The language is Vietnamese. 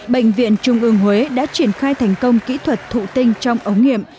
bệnh viện trung ương huế đã triển khai thành công kỹ thuật thụ tinh trong ống nghiệm